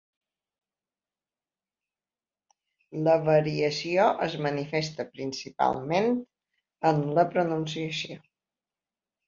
La variació es manifesta principalment en la pronunciació.